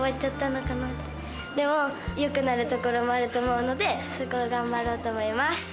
でもよくなるところもあると思うのでそこを頑張ろうと思います。